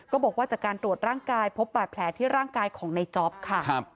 ก็บอกว่าจากการตรวจร่างกายพบบาดแผลที่ร่างกายของในจ๊อปค่ะ